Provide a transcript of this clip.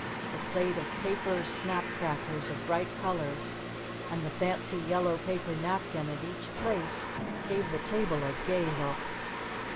A plate of paper snap crackers of bright colors and the fancy yellow paper napkin at each place gave the table a gay look.